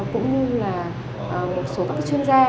cũng như là một số các chuyên gia